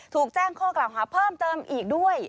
ถูกแจ้งข้อกล่าวหาเพิ่มเติมอีกด้วย